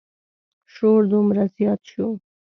شور دومره زیات شو.